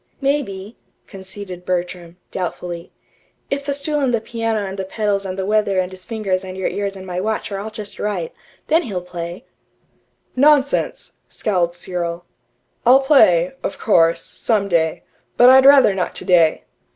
"Maybe," conceded Bertram, doubtfully; "if the stool and the piano and the pedals and the weather and his fingers and your ears and my watch are all just right then he'll play." "Nonsense!" scowled Cyril. "I'll play, of course, some day. But I'd rather not today."